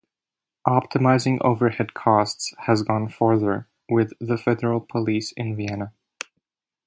Optimizing overhead costs has gone farther with the Federal Police in Vienna.